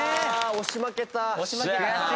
押し負けたな。